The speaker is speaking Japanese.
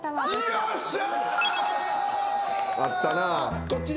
よっしゃ！